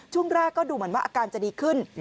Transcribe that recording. ช่วงแรกก็ดูเหมือนว่าอาการจะดีขึ้น